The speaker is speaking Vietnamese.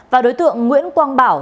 và đối tượng nguyễn quang bảo